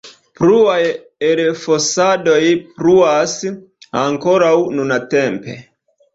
Pluaj elfosadoj pluas ankoraŭ nuntempe.